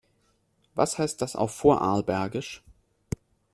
Was heißt das auf Vorarlbergisch?